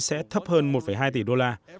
sẽ thấp hơn một hai tỷ đô la